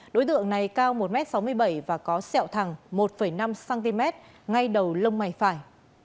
đối tượng này cao một m sáu mươi bảy và có sẹo thẳng một năm cm ngay đầu lông mày phải